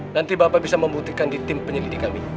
nanti bapak bisa membuktikan di tim penyelidik kami